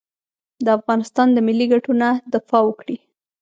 د افغانستان د ملي ګټو نه دفاع وکړي.